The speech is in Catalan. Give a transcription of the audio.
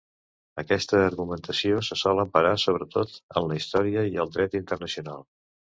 Aquesta argumentació se sol emparar sobretot en la història i el Dret Internacional.